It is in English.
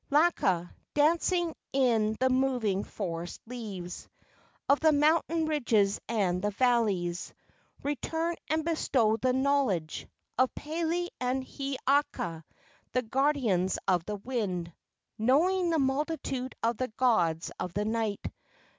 Laka, dancing in the moving forest leaves Of the mountain ridges and the valleys, Return and bestow the knowledge Of Pele and Hiiaka, the guardians of the wind, Knowing the multitude of the gods of the night.